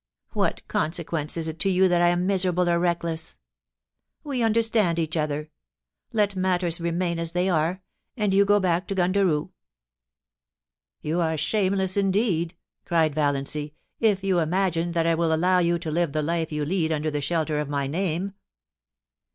WTiat consequence is it to you that I am miser ^ able or reckless ? We understand each other. Let matters remain as they are, and do you go back to Gundaroo.' * You are shameless indeed,' cried Valiancy, * if you imagine that I will allow you to live the life you lead under the shelter of my name